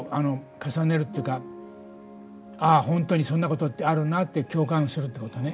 重ねるっていうかああ、本当にそんなことってあるなって共感するってことね。